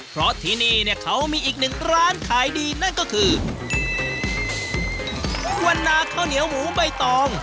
เพราะที่นี่เนี่ยเขามีอีกหนึ่งร้านขายดีนั่นก็คือวันนาข้าวเหนียวหมูใบตอง